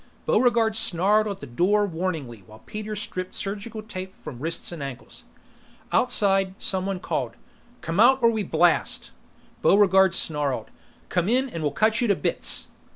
Buregarde snarled at the door warningly while Peter stripped surgical tape from wrists and ankles. Outside, someone called, "Come out or we blast!" Buregarde snarled, "Come in and we'll cut you to bits!"